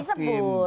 itu sudah disebut